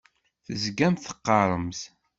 Tezgamt teqqaremt.